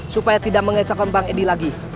supaya tidak mengecekkan bang edi lagi